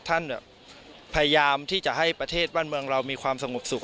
ท่านพยายามที่จะให้ประเทศบ้านเมืองเรามีความสงบสุข